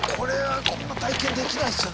こんな体験できないですよ